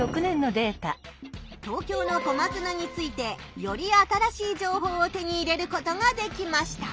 東京の小松菜についてより新しい情報を手に入れることができました。